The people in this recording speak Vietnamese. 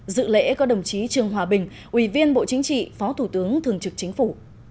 dự lễ có đồng chí trương hòa bình ủy viên bộ chính trị phó thủ tướng thường trực chính phủ